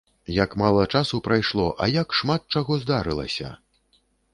Як мала часу прайшло, а як шмат чаго здарылася!